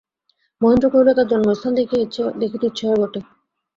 মহেন্দ্র কহিল, তা, জন্মস্থান দেখিতে ইচ্ছা হয় বটে।